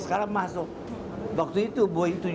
saya beli belah kereta baru itu